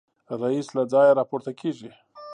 رییس له ځایه راپورته کېږي.